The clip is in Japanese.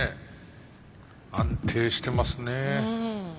安定してますね。